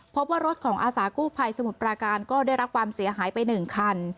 เพราะว่ารถของอาสากู่ภัยสมุดปราการก็ได้รักความเสียหายไปหนึ่งคัน